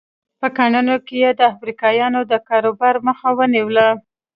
په کانونو کې یې د افریقایانو د کاروبار مخه ونیوله.